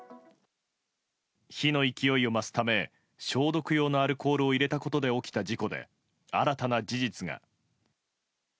火の勢いを増すため消毒用のアルコールを入れたことで起きた事故で新たな事実が。